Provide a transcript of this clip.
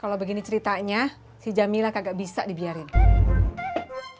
kalau begini ceritanya si jamila kagak bisa dibiarin